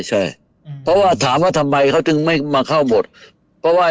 ใช่เพราะว่าถามว่าทำไมเขาไม่มาเข้ามันหมด